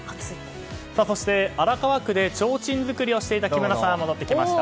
そして荒川区でちょうちん作りをしていた木村さんが戻ってきました。